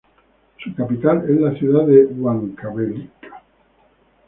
Su capital es la ciudad de Huancavelica.